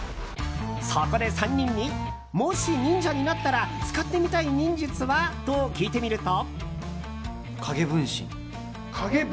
そこで３人にもし忍者になったら使ってみたい忍術は？と聞いてみると。